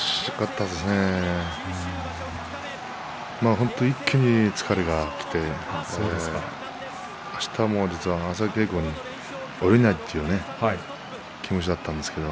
本当に一気に疲れがきてあしたはもう朝稽古に下りないという気持ちだったんですけれども